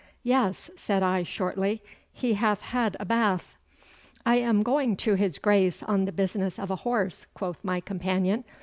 'Yes,' said I shortly, 'he hath had a bath.' 'I am going to his Grace on the business of a horse,' quoth my companion.